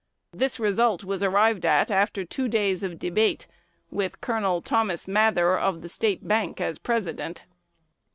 This result was arrived at after two days of debate, with "Col. Thomas Mather, of the State Bank, as president."